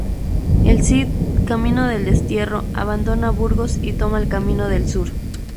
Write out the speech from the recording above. El Cid, camino del destierro, abandona Burgos y toma el camino del Sur.